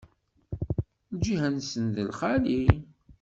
Lǧiha-nsen d lxali.